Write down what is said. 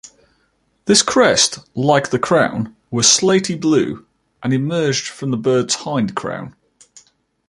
This crest, like the crown, was slaty-blue and emerged from the bird's hindcrown.